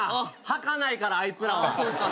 はかないからあいつらは。そうか。